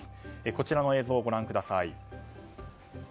こちらの映像ご覧ください。